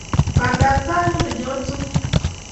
Bandaptai ko nenyo tugul